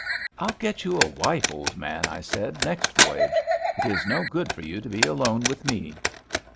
* I'll get you a wife, old man,' I said, * next voyage. It is no good for you to be alone with me.'